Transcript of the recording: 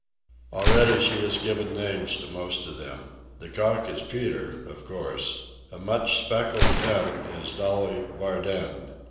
Already she has given names to most of them. The cock is Peter, of course. A much speckled hen is Dolly Varden.